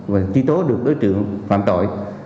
và trí tố được đối tượng phạm tội